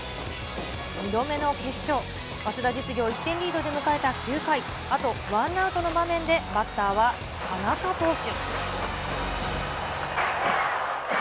２度目の決勝、早稲田実業１点リードで迎えた９回、あとワンアウトの場面で、バッターは田中投手。